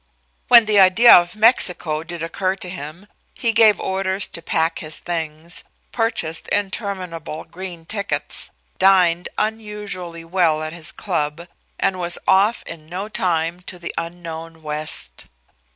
When the idea of Mexico did occur to him he gave orders to pack his things, purchased interminable green tickets, dined unusually well at his club, and was off in no time to the unknown West.